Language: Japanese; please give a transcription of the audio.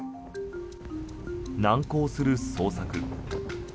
難航する捜索。